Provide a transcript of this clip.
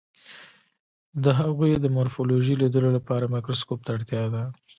د هغوی د مارفولوژي لیدلو لپاره مایکروسکوپ ته اړتیا ده.